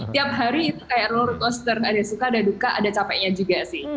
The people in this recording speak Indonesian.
tiap hari itu kayak roller oster ada suka ada duka ada capeknya juga sih